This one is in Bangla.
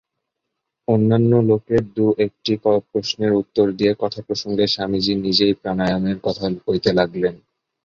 অন্যান্য লোকের দু-একটি প্রশ্নের উত্তর দিয়ে কথাপ্রসঙ্গে স্বামীজী নিজেই প্রাণায়ামের কথা কইতে লাগলেন।